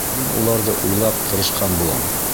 Мин уларҙы уйлап тырышҡан булам.